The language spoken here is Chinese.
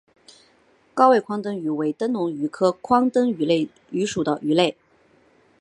高位眶灯鱼为灯笼鱼科眶灯鱼属的鱼类。